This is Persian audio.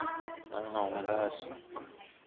من حامله هستم.